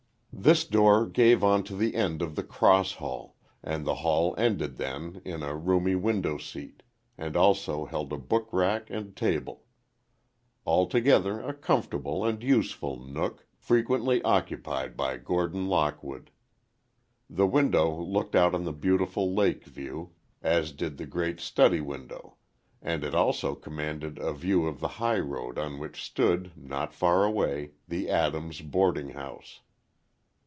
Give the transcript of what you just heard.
This door gave on to the end of the cross hall, and the hall ended then, in a roomy window seat, and also held a book rack and table; altogether a comfortable and useful nook, frequently occupied by Gordon Lockwood. The window looked out on the beautiful lake view, as did the great study window, and it also commanded a view of the highroad on which stood, not far away, the Adams boarding house.